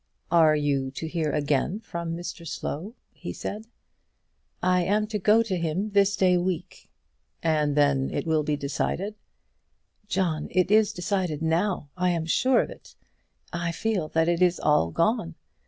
"Are you to hear again from Mr Slow?" he said. "I am to go to him this day week." "And then it will be decided?" "John, it is decided now; I am sure of it. I feel that it is all gone.